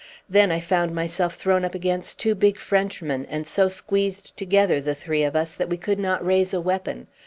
Then I found myself thrown up against two big Frenchmen, and so squeezed together, the three of us, that we could not raise a weapon.